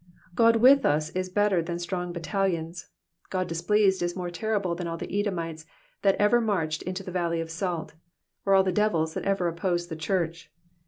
God with us is better than strong battalions ; God displeased is more terrible than all the Edomites that ever marched into the valley of salt, or all the devils that ever opposed the church.